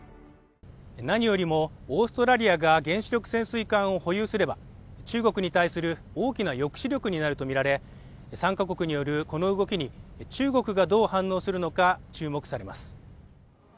何よりもオーストラリアが原子力潜水艦を保有すれば中国に対する大きな抑止力になると見られ３カ国によるこの動きに中国がどう反応するのか注目されます